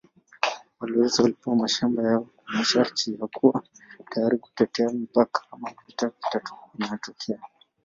Walowezi walipewa mashamba yao kwa masharti ya kuwa tayari kutetea mipaka kama vita inatokea.